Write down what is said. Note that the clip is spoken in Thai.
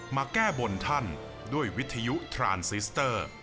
มาแก้บนท่านด้วยวิทยุทรานซิสเตอร์